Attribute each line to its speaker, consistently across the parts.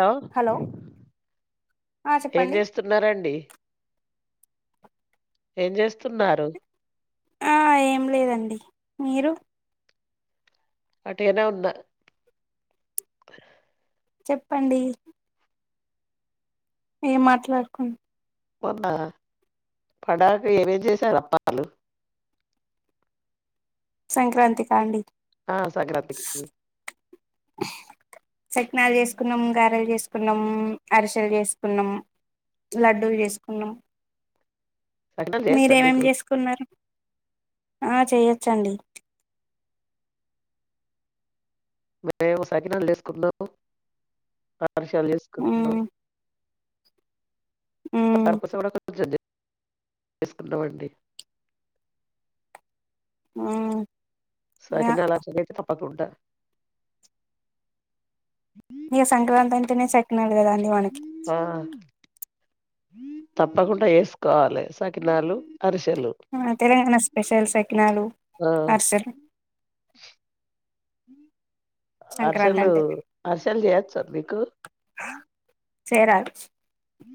Speaker 1: Hello
Speaker 2: ఆ
Speaker 1: ఏం
Speaker 2: చెప్పండి
Speaker 1: చేస్తున్నరండి ఏం చేస్తున్నారు
Speaker 2: ఆ ఏం లేదండి మీరు
Speaker 1: అటినా ఉంద
Speaker 2: చెప్పండి ఏం మాట్లాడుకుం
Speaker 1: మొంద పడాక ఏమేం చేశారు అప్పాలు
Speaker 2: సంక్రాంతి కాండి
Speaker 1: ఆ సంక్రాతికి
Speaker 2: సకినాలు చేసుకున్నాం గారెలు చేసుకున్నాంఅరిసెలు చేసుకున్నాం లడ్డుూ చేసుకున్నాం
Speaker 1: సకినాలు చేయొచ్చా
Speaker 2: మీరేమేం
Speaker 1: మీకు
Speaker 2: చేసుకున్నారు ఆ చేయొచ్చండి
Speaker 1: మేమేమో సకినాలు వేసుకున్నాము అరిసెలు చేసుకుంటాం
Speaker 2: మ్మ్ మ్మ్
Speaker 1: [inaudible] తీసుకుందామండి
Speaker 2: ఆ
Speaker 1: సకినాలు [inaudible] [inaudible]
Speaker 2: నే సె [inaudible] దాన్ మనకి
Speaker 1: ఆ తప్పకుండా వేసుకోవాలి సకినాలు అరిసెలు
Speaker 2: ఆ తెలంగాణ స్పెషల్ సకినాలు
Speaker 1: ఆ
Speaker 2: అర్సలు
Speaker 1: అరిసలు అరిసలు చేయొచ్చ మీకు
Speaker 2: చేయరా
Speaker 1: హ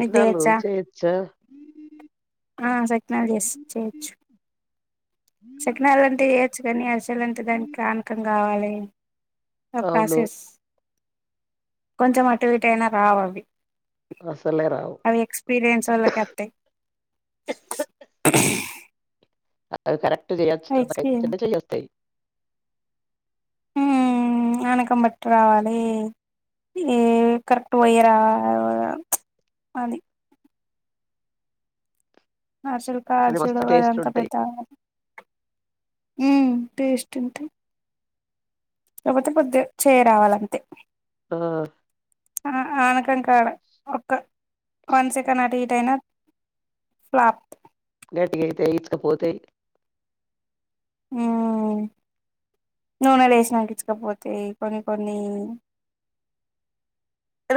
Speaker 2: మీకు చేయొచ్చా
Speaker 1: చేయచ్చ
Speaker 2: ఆ సక్నాల చెస్ చేయొచ్చు సక్నాాలంటిే చె చ్చు కానీ అస్ లంటే దాని కానీ పని కావాలి ఆ
Speaker 1: అవును
Speaker 2: ప్రసెస్ కొంచెం అటు ఇటు అయినా రావివ్వి
Speaker 1: అసలే రావు
Speaker 2: అవి ఎక్స్పీరియన్స్ ఒళ్ళకే అతై [unintelligible]
Speaker 1: అద్ కరెక్ క్ట చేయేచ్చు తొదరెక్తేనే చేయ్యొ తై
Speaker 2: హు పానకం బట్టి రావాలే ఈ కరెక్ట్ పోయ్యి రా అది హర్షల్
Speaker 1: కానీ
Speaker 2: కాల్చలు
Speaker 1: మస్తు టేస్ట్
Speaker 2: అదంతా
Speaker 1: ఉంటాయి
Speaker 2: పెద్ద హు టెస్ట్ ఉంటాయి కాపోతే కొద్దిగా చేయరావాలంతే
Speaker 1: ఆ
Speaker 2: ఆ ఆనకం కాడ ఒక వన్ సెకండ్ అటు ఇటు అయినా ఫ్లాప్త్
Speaker 1: గట్కి అయితయ్ ఇచ్చుక పోతేాయి
Speaker 2: హు నూనె లేసిినంకించ్చుకపోతేాయి కొన్ని కొన్ని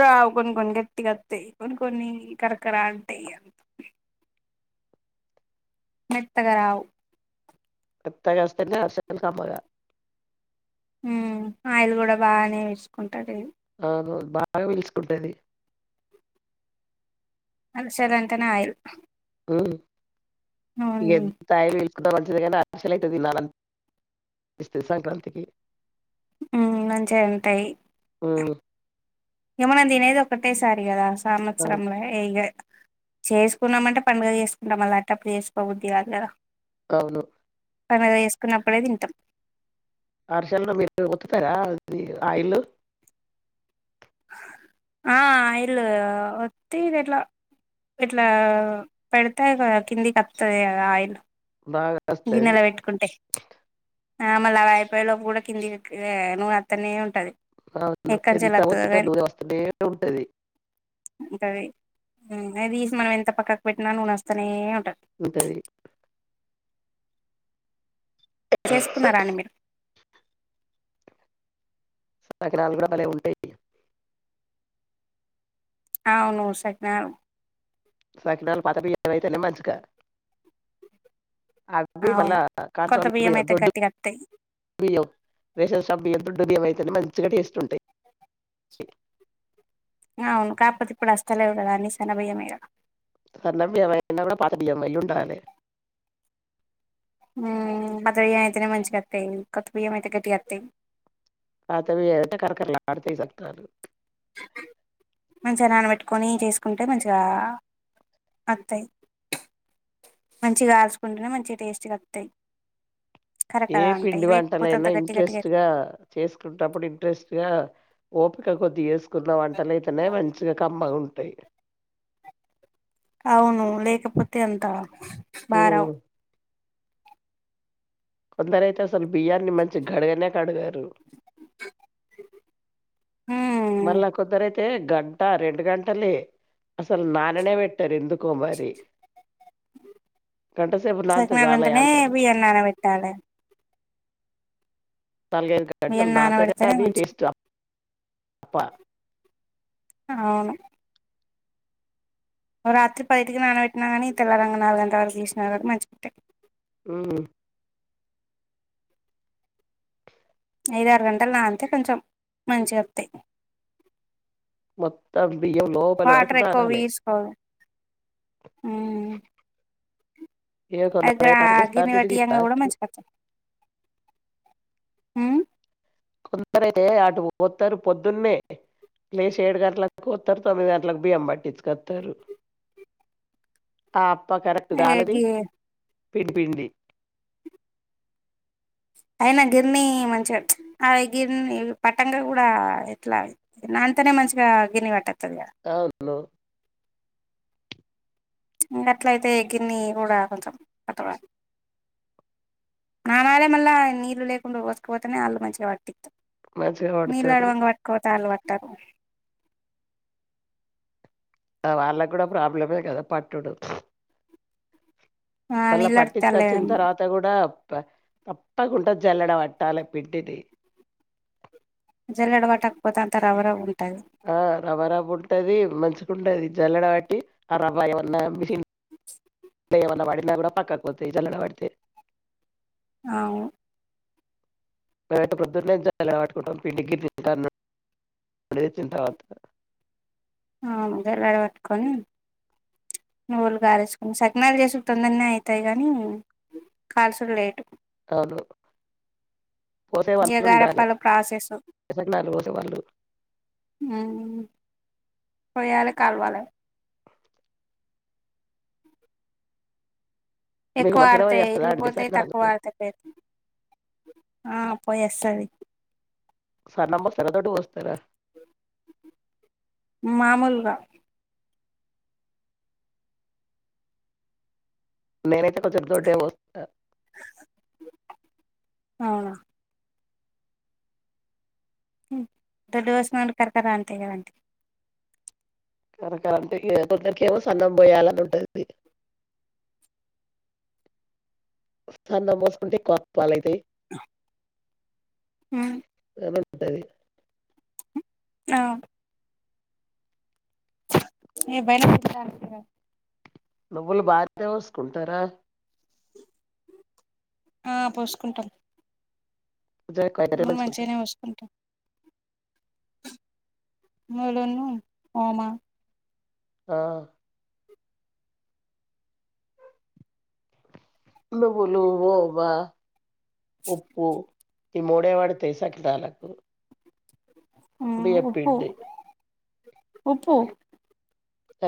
Speaker 2: రావు కొన్ని కొన్ని గట్టిగాత్తాయి కొన్ని కొన్ని కరకరా అంటాయి మెత్తగరావు
Speaker 1: మేత్తగాస్తేనే హర్షాలు కమ్మగా
Speaker 2: హు ఆయిల్ కూడా బాగానే పిర్సుకుంటాది ఇది
Speaker 1: అవునవును బాగా పీల్చుకుంటది
Speaker 2: హర్షల్ అంటేనే ఆయిల్
Speaker 1: హు ఇగ ఎం తాయిల్ పిల్ కున్న మంచిదే కానీ హర్షల్ అయితె తినలనిపిస్తది సంక్రాంతికి
Speaker 2: ఉ మంచిగ ఉంటాయి
Speaker 1: హ్మ్
Speaker 2: ఇగ మనం తినేది ఒకటే సారి కదా
Speaker 1: ఆ
Speaker 2: సంవత్సరంల ఏగ చేసుకున్నామంటే పండుగ చేసుకుంటాం మళ్ళా అట్టేప్పుడు చేసుకోబుద్దు కాదు కదా
Speaker 1: అవును
Speaker 2: పండుగకు వేసుకున్నప్పుడే తింటాం
Speaker 1: హర్షల్ [unintelligible] ఒత్తుతారా మీ ఆయిన్లు
Speaker 2: ఆ ఆయిల్ ఒత్తి ఆ అట్లా ఇట్లా పెడతరు కదా కిందికి వత్తది కదా ఆయిల్
Speaker 1: బాగా వస్తది
Speaker 2: గిన్నెల పెట్టుకుంటే ఆ మళ్ళ అవి అయిపోయే లోపు కూడా కిందికి నూనె అత్తనే ఉంటది
Speaker 1: అవును
Speaker 2: ఎక్కంచెలి
Speaker 1: ఎంత
Speaker 2: వత్తదో
Speaker 1: వత్తిన
Speaker 2: గాని
Speaker 1: నూనె వస్తనే ఉంటది
Speaker 2: ఉంటది అది తీసి మనం ఎంత పక్కకు పెట్టినా నూన వస్తానే ఉంటాయి
Speaker 1: అంతది
Speaker 2: చేసుకున్నారా అండి మీరు
Speaker 1: సకరాలు కూడా భలే ఉంటాయి
Speaker 2: ఆ అవును సజ్ఞ
Speaker 1: సకినాలు పాత వైతేనేమంచిక ఆబ మళ్ళ
Speaker 2: అవును
Speaker 1: కట్
Speaker 2: కొత్త బియ్యం అయితే గట్టిగా వత్తయి
Speaker 1: దడ్డుయ రేషన్ షాపు రడ్డు బియ్య అయితే మంచిగా టేస్ట్ ఉంటాయి.
Speaker 2: అవును కాకపోతే ఇప్పుడు వస్తలేవు కదా అన్ని సన్న బియ్యమే కద
Speaker 1: సన్న బియ్యం అయినా కూడా పాత బియ్యం అయ్ ఉండాలే
Speaker 2: మదరయ్యం అయితేనే మంచిగా వస్తాయి కొత్త బియ్యం అయితే గట్టిగా వస్తాయి
Speaker 1: ఆతే మీ ఎట కక లాడతే సత
Speaker 2: కొని చేసుకుంటే మంచిగా వత్తాయి మంచిగా కాల్చుకుంటేనే మంచిగా టేస్ట్గా వస్తాయి
Speaker 1: ఏ పిండి వంటలైనా
Speaker 2: గట్టిగా
Speaker 1: ఇంట్రెస్ట్ గా చేసుకుంటప్పుడు ఇంట్రెస్ట్ గా ఓపి క తీ కున్న వంటలు అయితేనే మంచిగా కమ్మగా ఉంటాయి టాయ్
Speaker 2: అవును లేకపోతె అంతా బారవు
Speaker 1: ఉమ్. కొందరయితే అసలు బియ్యాన్ని మంచి గడగనే కడగరు
Speaker 2: హ
Speaker 1: మళ్ళా కొందరైతే గంట రెండు గంటలే అసలు నాన్నే పెట్టారు ఎందుకో మరి గంట సేపు నానితే చాలయా
Speaker 2: సకినాలంటేనె
Speaker 1: అంటారు
Speaker 2: బియ్యం నానబెట్టాలి
Speaker 1: నాలుగ కెట్టల్ దాత
Speaker 2: నానబెడితేనే
Speaker 1: వీటి
Speaker 2: మంచిది
Speaker 1: ఇష్టం అబ్బా
Speaker 2: అవును రాత్రి పైకి నానబెటినా కానీ తెల్లారంగ నాలుగు గంటల వరకు చసిన కానీ మంచిపట్టాయి
Speaker 1: ఆ
Speaker 2: ఐద ఆరు గంటలు నానితే కొంచం మంచిగతై
Speaker 1: మొత్తం బియ్యం లోపలి వరకు నానాలే
Speaker 2: అ
Speaker 1: ఏ
Speaker 2: అగ
Speaker 1: కొందరైతే అటు
Speaker 2: అగ్ని
Speaker 1: వస్తారు ఇటు
Speaker 2: వటి అంగా గుడ
Speaker 1: తిత్తారు
Speaker 2: మంచిగా హ్మ్
Speaker 1: కొందరే అటు పోస్తారు పొద్దున్నే లెషి ఏడు గంటలలకు పోస్తారు తొమ్మిది గంటలకు బియ్యం పట్టించుకోస్తారు అప్పా
Speaker 2: ఏ
Speaker 1: కరెక్ట్గాలది
Speaker 2: గి
Speaker 1: పిండిపిడి
Speaker 2: అయినా గిర్నీ మంచిగా ఉచ్చ అ గిరిని పట్టక కూడా ఎట్లా నాతోనే మంచిగా గిరిన్నె పట్టదు
Speaker 1: అవును
Speaker 2: ఇంక అట్ల అయితే గిన్ని కూడా కొంచెం కట్టవాలి నానాలే మళ్ళా నీళ్ళు లేకుండు పోసుకపోతేనే వాళ్ళు మంచిగా పట్టి
Speaker 1: మంచిగా పడతారు
Speaker 2: మీలాడువాంగా వాట్కోవత అల్వాట్ త
Speaker 1: వాళ్ళకి కుడా ప్రాబ్లమే కదా పట్టుడు
Speaker 2: ఆ
Speaker 1: మళ్ళ
Speaker 2: నీళ్ళడతలే
Speaker 1: పట్టిచ్కాచ్చినా తర్వాత కూడా మెత్తగ జల్లెడ వట్టాలి పిట్టిది
Speaker 2: జల్లెడ పట్టకపోతే అంతా రవ్వ రవ్వ ఉ
Speaker 1: ఆ రవ్వ రవ్వ ఉంటది మంచి గుండధి జల్లడ బట్టి ఆ రబ్బాయిన్నా మిషీన్ [unintelligible] న కూడా పక్కకు పోతాయ్ జల్లెడ పడితే
Speaker 2: ఆవు
Speaker 1: మేమైతే పొద్దున్నే జల్లెడ పట్టుకుంటాం పిండిర గిట్ల [unintelligible] తిన్న తర్వాత
Speaker 2: జల్లెడ పట్టుకొని నువ్లు కారేసుకొని సకినాలు చేసు తొందరనే అవుతాయి కానీ కాల్సుడు లేటు
Speaker 1: అవును పోసే వాళ్ళు
Speaker 2: ఎగార
Speaker 1: ఉండాలి
Speaker 2: పలు ప్రాసెసు
Speaker 1: సకినాలు పోసే వాళ్ళు
Speaker 2: పొయ్యాలే కాల్వాలే
Speaker 1: మీకు
Speaker 2: ఎక్కువ
Speaker 1: మంచిగనే
Speaker 2: ఆరితే
Speaker 1: వస్తదా అండి
Speaker 2: విరిగిపోతాయి
Speaker 1: సకినాలు
Speaker 2: తక్కువ ఆరితే పే ఆ పొయ్యస్తది
Speaker 1: సనం సెర తోటి పొస్తరా
Speaker 2: మామూలుగా
Speaker 1: నేనైతే కొంచం తోటే పోస్తా
Speaker 2: ఆ దొడ్డు కోసిన అండ్ కరకరా అంటాయి కదండి
Speaker 1: కర కరంటే ఇక కొందరికి ఏమో సన్నం పోయాలని ఉంటది సన్న మోస్కుంటే కొప్పాలైతాయ్
Speaker 2: హ్మ్
Speaker 1: అంటది
Speaker 2: అవును ఏ భయలు పెడతా
Speaker 1: నువ్వులు బార్ తే వోస్కుంటరా
Speaker 2: ఆ పోసుకుంటాం
Speaker 1: ఉజా [unintelligible]
Speaker 2: ములు
Speaker 1: మంచిగుంటాయ్
Speaker 2: మంచిగానే పోసుకుంటాం మళన్న ఒమా
Speaker 1: ఆ ఇంద వులు ఒబా ఒప్పు ఈ మూడేవాడి తెసాకి తాలకు
Speaker 2: ఉ ఉప్పు, ఉప్పు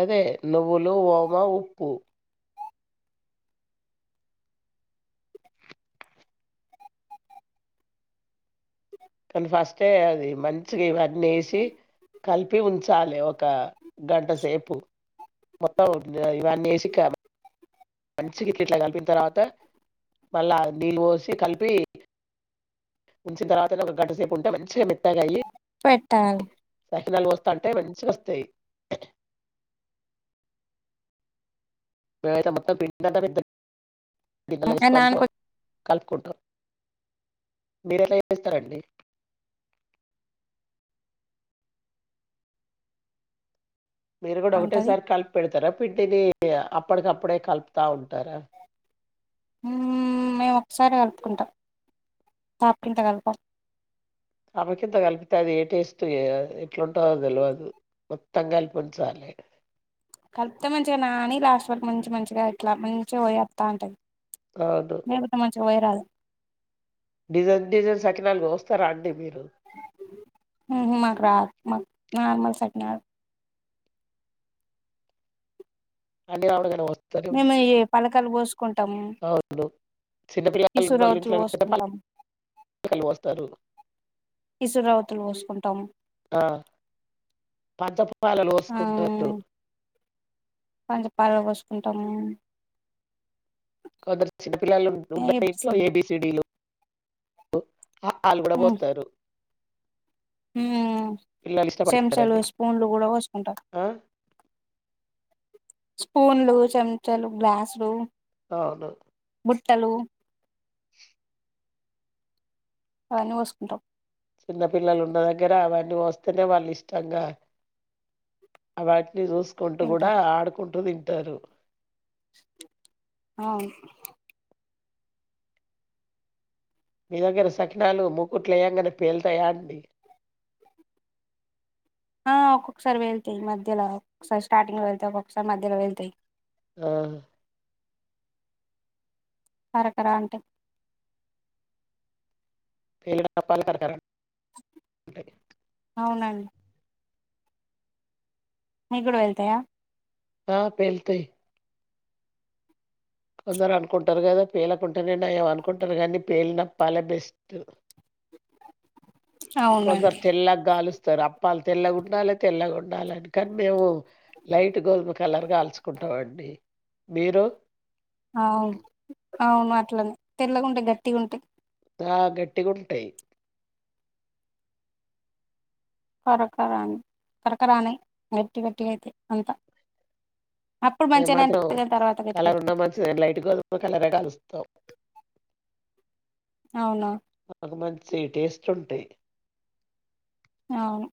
Speaker 1: అదే నువ్వులు, ఓమ, ఉప్పు కానీ ఫస్టే అది మంచిగా ఇవన్నీ వేసి కలిపి ఉంచాలి, ఒక గంటసేపు మొత్తం ఇవన్నీ వేసి క మంచి ఇ ఇట్లా కలిపిన తర్వాత మళ్ళా నీళ్ళు పోసి కలిపి, ఉంచిన్న తర్వాత ఒక గంట సేపు ఇంకా మంచిగా మెత్తగాయి.
Speaker 2: పెట్టాలి,
Speaker 1: సకినాలు పోస్తాంటే మంచిగా వస్తాయి. మీము ఐతే మొత్తం పిండి అంత పోతాం గిన్నెలా వేసి కలిపి
Speaker 2: నానకొ
Speaker 1: కలుపుకుంటాం మీరేలా ఏస్తారండి మీరు కూడా
Speaker 2: అంటది
Speaker 1: ఒకటేసారి కలిపి పెడతారా పిండిని అప్పటికప్పుడే, కల్పుతా ఉంటు ఉంటారా
Speaker 2: మేము ఒకసారి కలుపుకుంటాం తప్పకింత కలుపం
Speaker 1: తప్పకింత కలిపితే అది ఏ టేస్ట్ ఎట్లుంటందో తెలియదు మొత్తం కల్పించలి.
Speaker 2: కలిపితే మంచిగా నా అని లాస్ట్ వాళ్ళకు మంచి మంచిగా ఇట్లా మంచిగా పోయివాతంటది.
Speaker 1: అవును
Speaker 2: లేకుంటే మంచి గా పోయరాదు, [unintelligible]
Speaker 1: డిజైన్ డిజైన్ సకినాలు పోస్తారా, అండి మీరు
Speaker 2: ఉహు మాకు రాదు నార్మల్ సకి సకినాలు
Speaker 1: అన్ని రకాలు పోస్తాను,
Speaker 2: మేము ఏ పలకాలు పోసుకుంటాము,
Speaker 1: అవును చిన్నపిల్లలు
Speaker 2: ఇసురా
Speaker 1: ఉన్నోళ్ళ
Speaker 2: రావతులు
Speaker 1: ఇంట్లో
Speaker 2: పోసుకుంటాము.
Speaker 1: పాలు పోస్తారు
Speaker 2: ఇసురావతులు పోసుకుంటాం,
Speaker 1: ఆ పంచ పాలలు పోసుకుంటాన్రు.
Speaker 2: పంచ పాలలు పోసుకుంటమ్.
Speaker 1: కొందరు చిన్నపిల్లలు ఉంటరు. ఇంట్లో ఏబిసిడీలు, [unintelligible] అ ఆ లు కూడ పోస్తారు.
Speaker 2: హు
Speaker 1: పిల్లలు
Speaker 2: చెంచలు,
Speaker 1: ఇష్టపడతారండి
Speaker 2: స్పూన్లు కూడ పోసుకుంటాము.
Speaker 1: ఆ
Speaker 2: స్పూన్లు, చెంచలు, గ్లాస్లు
Speaker 1: అవును
Speaker 2: బుట్టలు అవన్నీ పోసుకుంటాం.
Speaker 1: చిన్న పిల్లలు ఉన్న దగ్గర అవన్నీ పోస్తేనే వాళ్ళు ఇష్టంగా అవన్, చూస్కుంటూ గూడ
Speaker 2: తింటారు
Speaker 1: ఆడుకుంటూ తిం తరు
Speaker 2: అవును
Speaker 1: మీ దగ్గర సకినాలు మూకుట్లేయంగానే పేల్తాయా అండి,
Speaker 2: ఆ ఒక్కొక్కసారి పేళ్తయి మధ్యల ఒక్కసారి స్టార్టింగ్ పేళ్తయి ఒక్కొక్కసారి మధ్యల పేళ్తయి
Speaker 1: ఆ
Speaker 2: కరకరా అంటయ్
Speaker 1: [unintelligible] అంటాయి
Speaker 2: అవునం మీక్ గుడా పేళ్తాయా
Speaker 1: ఆ పేల్తయ్ కొందరు అనుకుంటరు కదా పేలకుంటేనే నయం అనుకుంటారు గనీ పేలినపాలే బెస్ట్ కొందర్
Speaker 2: అవునండి
Speaker 1: తెల్ల గాలుస్ తారు అప్పాలు తెల్లగుండాలె తెల్లగుండాలే అని కానీ మేము లైట్ గోధుమ కలర్ కాల్చుకుంటమండి మీరు
Speaker 2: తెల్లగుంటె గట్టిగుంటాయ్
Speaker 1: ఆ గట్టిగుంటాయ్
Speaker 2: కరకరాన్ కరకర అనే గట్టి గట్టిగా అయితాయ్ అంతా అప్పుడు
Speaker 1: మేం
Speaker 2: మంచిగానే
Speaker 1: మాత్రం
Speaker 2: అనిపిత్తది గాని తర్వాత గట్టి
Speaker 1: కలర్
Speaker 2: గట్టిగా
Speaker 1: ఉన్న మంచిదేని లైట్ గోధుమ కలరే కాలుస్తాం.
Speaker 2: అవునా
Speaker 1: నాకు మంచి టేస్ట్ ఉంటయ్
Speaker 2: అవును